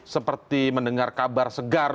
seperti mendengar kabar segar